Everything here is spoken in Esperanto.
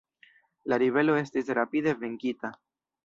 La ribelo estis rapide venkita.